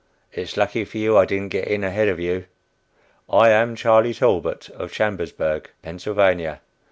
It's lucky for you I didn't get in ahead of you. "I am Charlie Talbot, of Chambersburg, Pa.